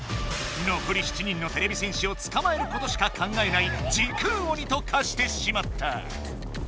残り７人のてれび戦士をつかまえることしか考えない時空鬼と化してしまった！